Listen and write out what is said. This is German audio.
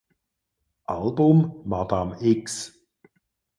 Album "Madame X".